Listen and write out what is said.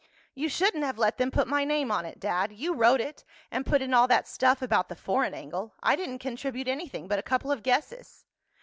"You shouldn't have let them put my name on it, Dad. You wrote it, and put in all that stuff about the foreign angle. I didn't contribute anything but a couple of guesses."